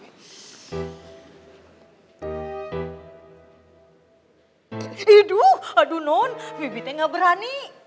aduh aduh non bibi teh gak berani